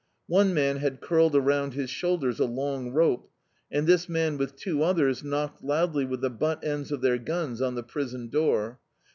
One man had curled around his shoulders a long rope, and this man with two others knocked loudly with the butt ends of their guns on the prison door.